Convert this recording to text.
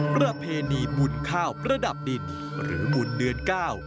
ประเพณีบุญข้าวประดับดินหรือบุญเดือนเก้า